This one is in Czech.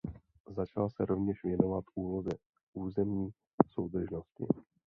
Začala se rovněž věnovat úloze územní soudržnosti.